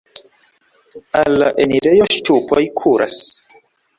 Al la enirejo ŝtupoj kuras.